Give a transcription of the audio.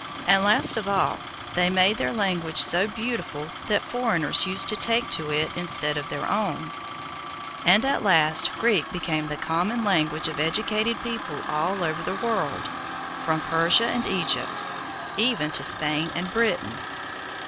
And last of all, they made their language so beautiful that foreigners used to take to it instead of their own; and at last Greek became the common language of educated people all over the old world, from Persia and Egypt even to Spain and Britain.